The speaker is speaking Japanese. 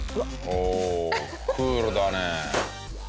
おおクールだね。